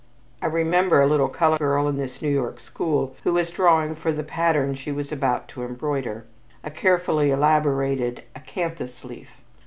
I remember a little colored girl in this New York school who was drawing for the pattern she was about to embroider, a carefully elaborated acanthus leaf.